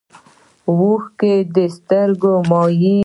اوښکې د سترګو مایع ده